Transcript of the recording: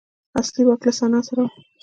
اصلي واک له سنا سره و.